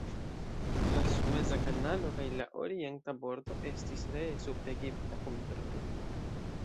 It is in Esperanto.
La Sueza Kanalo kaj la orienta bordo estis ree sub egipta kontrolo.